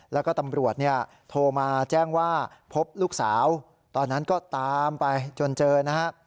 แล้วก็ตำรวจเนี่ยโทรมาแจ้งว่าพบลูกสาวตอนนั้นก็ตามไปจนเจอนะฮะ